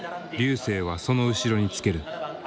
瑠星はその後ろにつける。